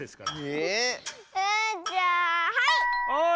えじゃあはい！